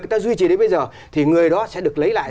người ta duy trì đến bây giờ thì người đó sẽ được lấy lại